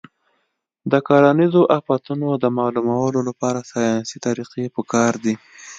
د کرنیزو آفتونو د معلومولو لپاره ساینسي طریقې پکار دي.